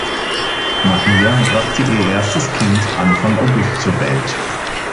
Maria brachte ihr erstes Kind Anfang August zur Welt.